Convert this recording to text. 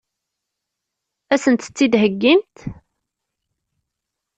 Ad sent-tt-id-theggimt?